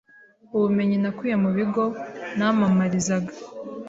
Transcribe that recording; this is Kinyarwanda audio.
ubumenyi nakuye mu bigo namamarizaga